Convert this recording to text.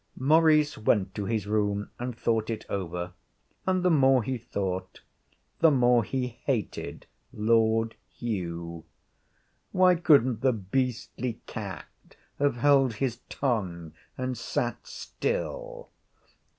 Maurice went to his room and thought it over. And the more he thought the more he hated Lord Hugh. Why couldn't the beastly cat have held his tongue and sat still?